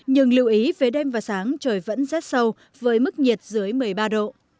nhưng lưu ý về đêm và sáng trời vẫn rét sâu với mức nhiệt dưới một mươi ba độ